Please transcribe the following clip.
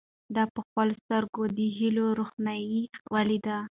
ده په خپلو سترګو کې د هیلو روښنايي ولیده.